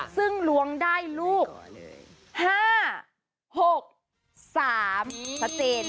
ซึ่งล้วงได้ลูก๕๖๓ชัดเจน